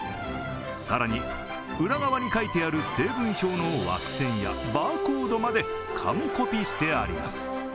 更に裏側に書いてある成分表の枠線やバーコードまで完コピしてあります。